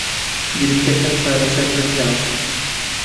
گرفتەکە چارەسەر نەکراوە